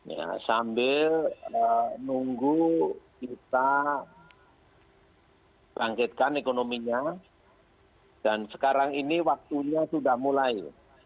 ya sambil nunggu kita bangkitkan ekonominya dan sekarang ini waktunya sudah mulai